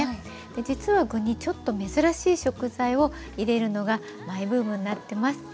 実は具にちょっと珍しい食材を入れるのがマイブームになってます。